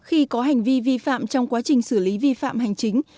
khi có hành vi vi phạm trong quá trình xử lý vi phạm hành chính